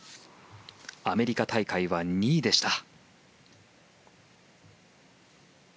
アメリカ大会は２位でした。